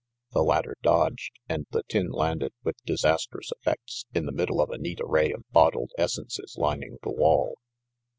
The latter dodged, and the tin landed, with disastrous effects, in the middle of a neat array of bottled essences lining the wall.